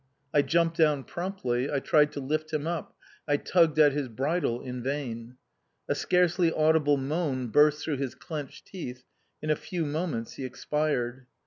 I jumped down promptly, I tried to lift him up, I tugged at his bridle in vain. A scarcely audible moan burst through his clenched teeth; in a few moments he expired.